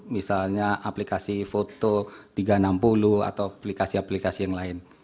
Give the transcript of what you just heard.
misalnya aplikasi foto tiga ratus enam puluh atau aplikasi aplikasi yang lain